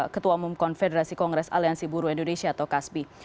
ketua umum konfederasi kongres aliansi buruh indonesia atau kasbi